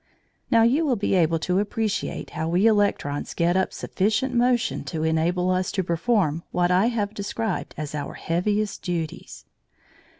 Now you will be able to appreciate how we electrons get up sufficient motion to enable us to perform what I have described as our heaviest duties.